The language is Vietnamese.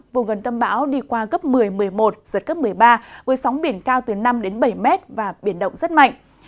vùng gần tâm bão đi qua cấp một mươi một mươi một giật cấp một mươi ba với sóng biển cao từ năm bảy m và biển động rất mạnh